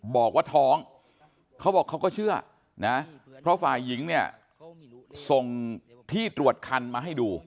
บอกว่าท้องเขาบอกเขาก็เชื่อนะเพราะฝ่ายหญิงเนี่ยส่งที่ตรวจคันมาให้ดู